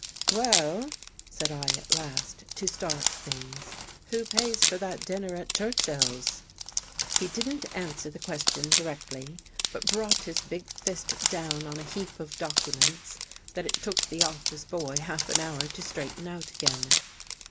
" Well," said I at last, to start things, " who pays for that dinner at Churchill's?" He didn't answer the question directly, but brought his big fist down on a heap of documents that it took the office boy half an hour to straighten out again.